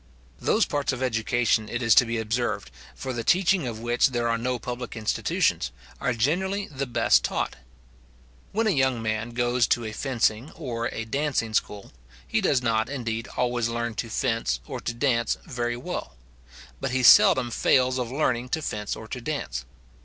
Those parts of education, it is to be observed, for the teaching of which there are no public institutions, are generally the best taught. When a young man goes to a fencing or a dancing school, he does not, indeed, always learn to fence or to dance very well; but he seldom fails of learning to fence or to dance.